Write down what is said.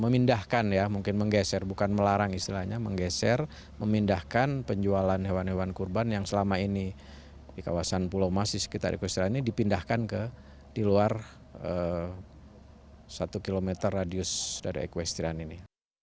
memindahkan ya mungkin menggeser bukan melarang istilahnya menggeser memindahkan penjualan hewan hewan kurban yang selama ini di kawasan pulau mas di sekitar equestrian ini dipindahkan ke di luar satu km radius dari equestrian ini